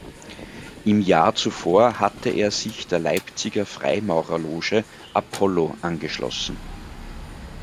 Im Jahr zuvor hatte er sich der Leipziger Freimaurerloge "Apollo" angeschlossen.